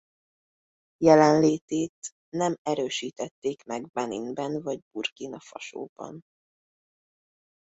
Jelenlétét nem erősítették meg Beninben vagy Burkina Fasóban.